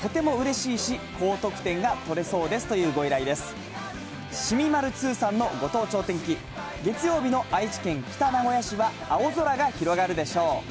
しみまる２さんのご当地お天気、月曜日の愛知県北名古屋市は青空が広がるでしょう。